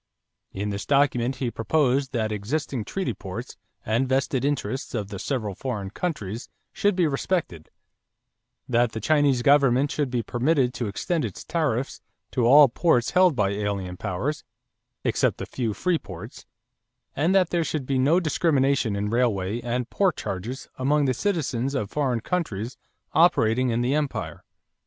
In this document he proposed that existing treaty ports and vested interests of the several foreign countries should be respected; that the Chinese government should be permitted to extend its tariffs to all ports held by alien powers except the few free ports; and that there should be no discrimination in railway and port charges among the citizens of foreign countries operating in the empire.